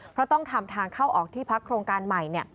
เพราะต้องทำทางเข้าออกที่พักโครงการใหม่